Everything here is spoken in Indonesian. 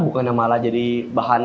bukannya malah jadi bahan